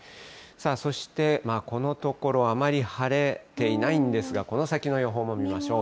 さあ、そしてこのところ、あまり晴れていないんですが、この先の予報も見ましょう。